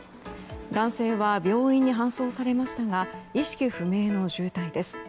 男性は病院に搬送されましたが意識不明の重体です。